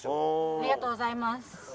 ありがとうございます。